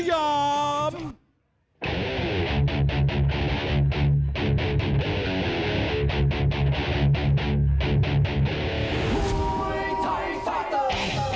สวัสดีครับทายุรัฐมวยไทยไฟตเตอร์